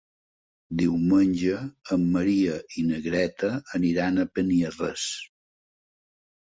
Diumenge en Maria i na Greta aniran a Beniarrés.